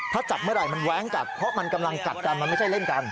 ถ้าจับเมื่อไหร่มันแว้งกัดเพราะมันกำลังกัดกันมันไม่ใช่เล่นกัน